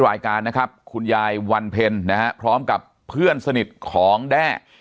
รายการนะครับคุณยายวันเพ็ญนะฮะพร้อมกับเพื่อนสนิทของแด้